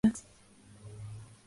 Lo sucedió en el puesto el lic.